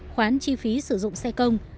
khoán chi phí sử dụng xe công